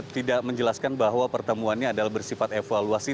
tidak menjelaskan bahwa pertemuannya adalah bersifat evaluasi